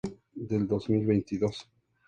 Antonio Machado.